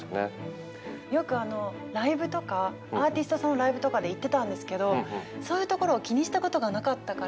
よくライブとかアーティストさんのライブとかで行ってたんですけどそういうところを気にしたことがなかったから。